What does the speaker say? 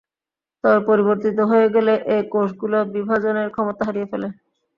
তবে পরিবর্তিত হয়ে গেলে এ কোষগুলো বিভাজনের ক্ষমতা হারিয়ে ফেলে।